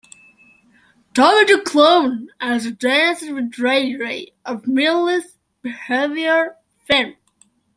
Tommy the Clown also danced with Ray Ray, of Mindless Behavior fame.